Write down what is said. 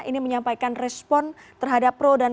ini menyampaikan respon terhadap pro dan